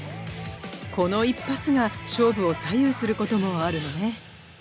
この一発が勝負を左右することもあるのね。